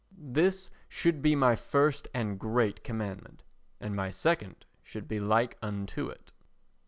This should be my first and great commandment, and my second should be like unto it.